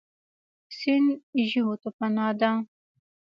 سیند ژویو ته پناه ده.